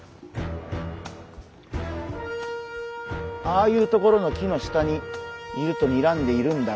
ああいう所の木の下にいるとにらんでいるんだが。